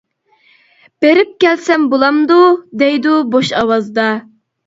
بېرىپ كەلسەم بولامدۇ، دەيدۇ بوش ئاۋازدا.